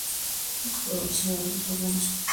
იკვებება მცენარეებითა და მოლუსკებით.